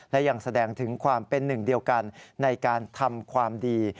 และยังแสดงถึงความเป็นหนึ่งเดียวกันในการทำความดี